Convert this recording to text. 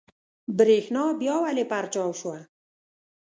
برېښنا بيا ولې پرچاو شوه؟